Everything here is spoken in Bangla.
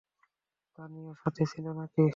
তানিও সাথে ছিল নাকি?